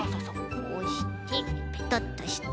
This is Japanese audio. こうしてペタッとして。